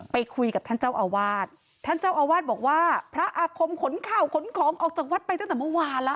ไปคุยกับท่านเจ้าอาวาสท่านเจ้าอาวาสบอกว่าพระอาคมขนข้าวขนของออกจากวัดไปตั้งแต่เมื่อวานแล้ว